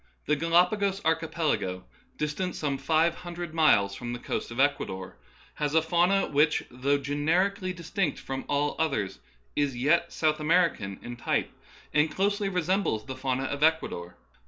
The Galapagos archipelago, distant some five hun dred miles from the coast of Ecuador, has a fauna which, though generically distinct from all others, is yet South American in type, and closely resem bles the fauna of Ecuador.